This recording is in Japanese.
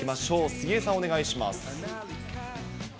杉江さん、お願いします。